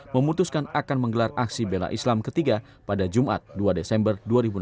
memutuskan akan menggelar aksi bela islam ketiga pada jumat dua desember dua ribu enam belas